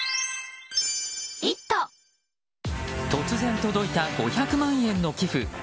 突然届いた５００万円の寄付。